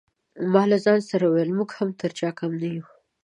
ما له ځان سره وویل موږ هم تر چا کم نه یو.